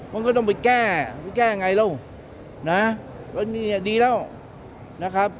มันก็ต้องไปแก้ไปแก้ไงแล้วนะก็เนี่ยดีแล้วนะครับ